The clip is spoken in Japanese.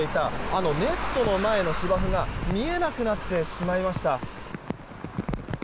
あのネットの前の芝生が見えなくなってしまいました。